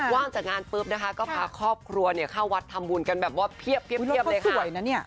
ว่างจากงานปุ๊บนะคะก็พาครอบครัวเข้าวัดทำบุญกันแบบว่าเพียบเลยค่ะ